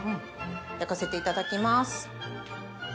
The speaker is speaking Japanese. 焼かせていただきます。